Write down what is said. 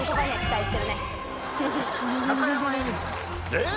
えっ！？